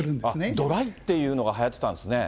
ドライっていうのがはやってたんですね。